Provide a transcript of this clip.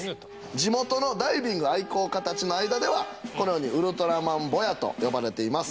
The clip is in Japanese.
地元のダイビング愛好家たちの間ではこのように「ウルトラマンボヤ」と呼ばれています。